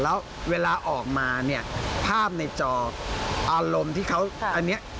แล้วเวลาออกมาเนี่ยภาพในจออารมณ์ที่เขาอันนี้